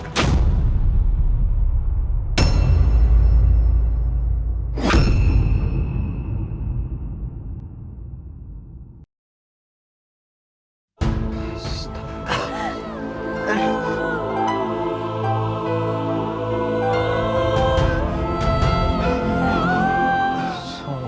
dan mereka menulisnya